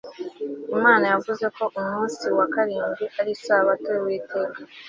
Imana yavuze ko umunsi wa karindwi ari Isabato yUwiteka